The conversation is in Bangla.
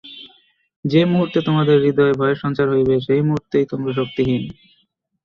যে-মুহূর্তে তোমাদের হৃদয়ে ভয়ের সঞ্চার হইবে, সেই মুহূর্তেই তোমরা শক্তিহীন।